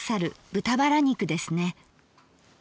豚バラ肉ですね。